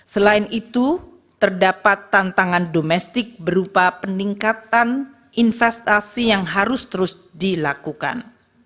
selain itu terdapat tantangan domestik berupa peningkatan investasi yang harus terus dilakukan